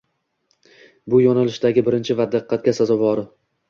Bu yo‘nalishdagi birinchisi va diqqatga sazovori